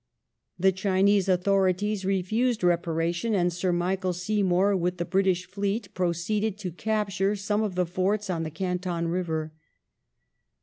The Chinese authorities refused reparation and Sir Michael Seymour, with the British fleet, proceeded to capture some of the forts on the Canton river.